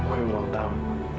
kue ulang tahun